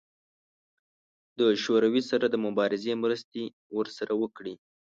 د شوروي سره د مبارزې مرستې ورسره وکړي.